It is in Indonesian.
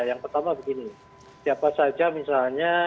yang pertama begini siapa saja misalnya